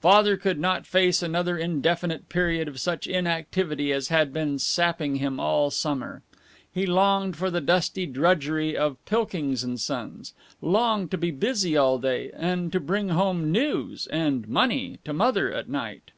Father could not face another indefinite period of such inactivity as had been sapping him all summer. He longed for the dusty drudgery of Pilkings & Son's; longed to be busy all day, and to bring home news and money to Mother at night.